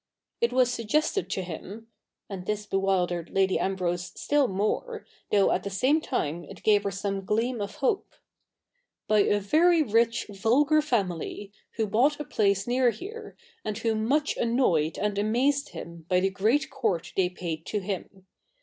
It was suggestedto him —' (and this bewildered Lady Ambrose still more, though at the same time it gave her some gleam of hope), ' by a very rich vulgar family, who bought a place near here, and who much annoyed and amazed him by the great court they paid to him.